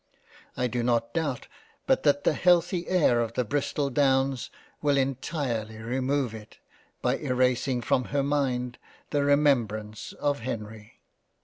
I do not doubt but that the healthy air of the Bristol downs will intirely remove it, by 56 £ LESLEY CASTLE ^ erasing from her Mind the remembrance of Henry.